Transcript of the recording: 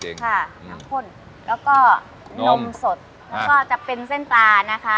ค่ะน้ำข้นแล้วก็นมสดแล้วก็จะเป็นเส้นปลานะคะ